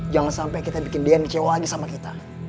jangan sampai kita bikin dia ngecewok lagi sama kita